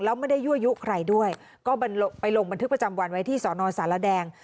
แล้วไม่ได้ยั่วยุใครด้วยก็ไปลงบันทึกประจำวันไว้ที่สอนอสารแดง